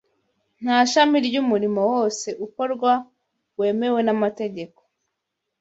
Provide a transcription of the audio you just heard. Nta shami ry’umurimo wose ukorwa wemewe n’amategeko